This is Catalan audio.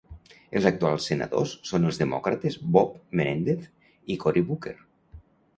Els actuals senadors són els demòcrates Bob Menéndez i Cory Booker.